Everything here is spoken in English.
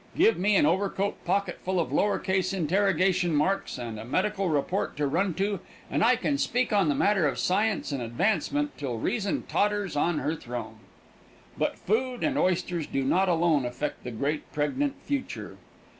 Give me an overcoat pocket full of lower case interrogation marks and a medical report to run to, and I can speak on the matter of science and advancement till Reason totters on her throne. But food and oysters do not alone affect the great, pregnant future.